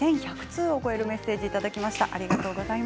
２１００通を超えるメッセージが寄せられました。